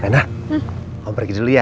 rena omprek dulu ya